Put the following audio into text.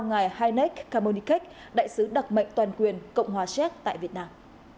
ngài heineck kamoniket đại sứ đặc mệnh toàn quyền cộng hòa séc tại việt nam